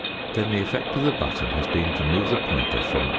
Then the effect of the button has been to move the pointer from +.